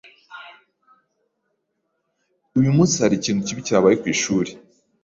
Uyu munsi hari ikintu kibi cyabaye ku ishuri?